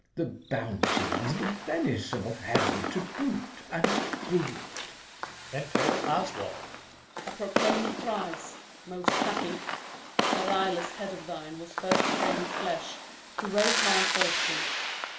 The bounty and the benison of heaven To boot, and boot! Enter [Oswald the] Steward. Osw. A proclaim'd prize! Most happy! That eyeless head of thine was first fram'd flesh To raise my fortunes.